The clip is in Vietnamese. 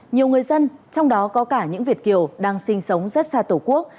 nhiều người dân trong đó có cả những việt kiều đang sinh sống rất xa tổ quốc